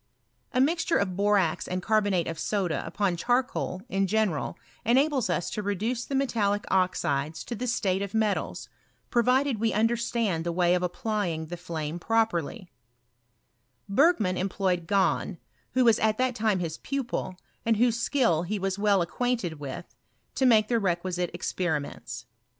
A misture of boi ax aiid carbonate of soda upoa charcoal in general enables us to reduce the metallic oxides to the state of metals, provided we understand the way of applying the flame properly, Bergman employed Gahn, who was at that time his pupil, and whose skill he was well acquainted with, to make tite requisite experiments.